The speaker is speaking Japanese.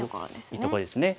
いいところですね。